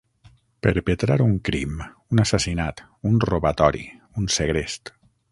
Perpetrar un crim, un assassinat, un robatori, un segrest.